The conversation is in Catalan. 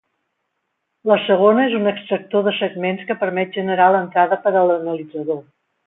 La segona és un extractor de segments que permet generar l'entrada per a l'analitzador.